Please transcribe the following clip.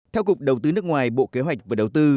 theo cục đầu tư nước ngoài bộ kế hoạch và đầu tư